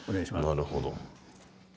なるほど。